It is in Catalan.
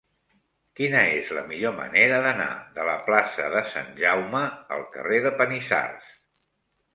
Quina és la millor manera d'anar de la plaça de Sant Jaume al carrer de Panissars?